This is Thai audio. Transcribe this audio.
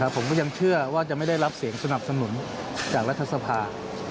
ผมก็ยังเชื่อว่าจะไม่ได้รับเสียงสนับสนุนจากรัฐสภา